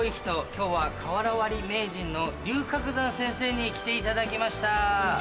今日は瓦割り名人のリュウカクザン先生に来ていただきました。